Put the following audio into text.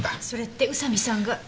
それって宇佐見さんが。